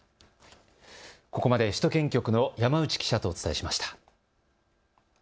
ここまで首都圏局の山内記者とお伝えしました。